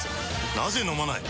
なぜ飲まない？